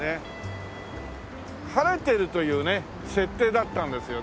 晴れてるというね設定だったんですよ。